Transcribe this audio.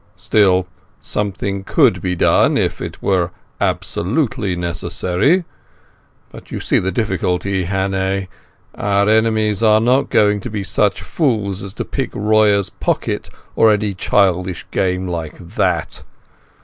Still, something could be done, I suppose, if it were absolutely necessary. But you see the difficulty, Hannay. Our enemies are not going to be such fools as to pick Royer's pocket or any childish game like that.